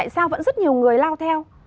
sao vẫn rất nhiều người lao theo